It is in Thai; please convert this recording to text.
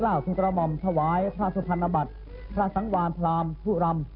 จากนั้นเวลา๑๑นาฬิกาเศรษฐ์พระธินั่งไพรศาลพักศิลป์